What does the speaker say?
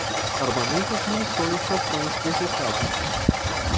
armamentos, munições, rações, deslocavam